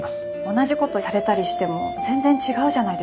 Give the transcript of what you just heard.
同じことされたりしても全然違うじゃないですか。